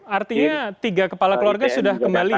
artinya tiga kepala keluarga sudah kembali